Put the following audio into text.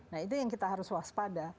nah itu yang kita harus waspada